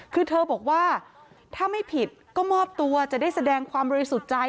คือเธอบอกว่าถ้าไม่ผิดก็มอบตัวจะได้แสดงความบริสุทธิ์ใจ